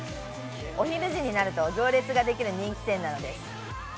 お昼時になると行列ができる人気店なのです。